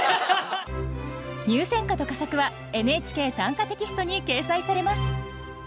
入選歌と佳作は「ＮＨＫ短歌」テキストに掲載されます。